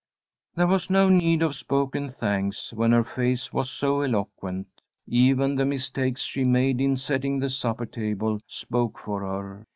There was no need of spoken thanks when her face was so eloquent. Even the mistakes she made in setting the supper table spoke for her.